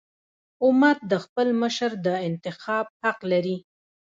امت د خپل مشر د انتخاب حق لري.